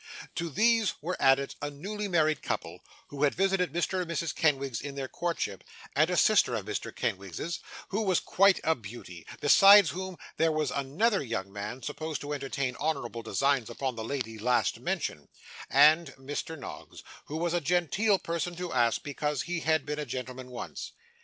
To these were added a newly married couple, who had visited Mr. and Mrs. Kenwigs in their courtship; and a sister of Mrs. Kenwigs's, who was quite a beauty; besides whom, there was another young man, supposed to entertain honourable designs upon the lady last mentioned; and Mr. Noggs, who was a genteel person to ask, because he had been a gentleman once.